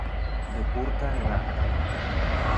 De curta edat.